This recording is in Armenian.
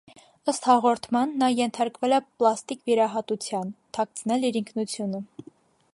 Ըստ հաղորդման, նա ենթարկվել է պլաստիկ վիրահատության՝ թաքցնել իր ինքնությունը։